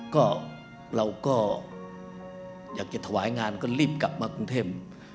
ก็เราก็อยากจะถวายงานก็รีบกลับมากรุงเทพ